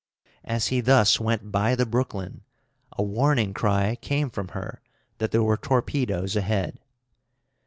As he thus went by the Brooklyn, a warning cry came from her that there were torpedoes ahead.